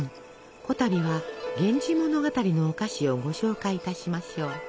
こたびは「源氏物語」のお菓子をご紹介いたしましょう。